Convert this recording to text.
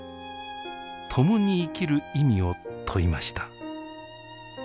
共に生きる意味を問いました。